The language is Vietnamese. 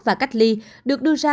và cách ly được đưa ra